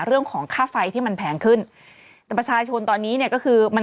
เรื่องของค่าไฟที่มันแพงขึ้นแต่ประชาชนตอนนี้เนี่ยก็คือมัน